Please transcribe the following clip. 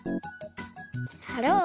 はろう！